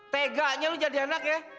teganya lo jadi anak ya